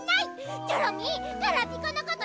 チョロミーガラピコのこと